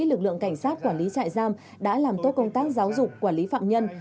lực lượng cảnh sát quản lý trại giam đã làm tốt công tác giáo dục quản lý phạm nhân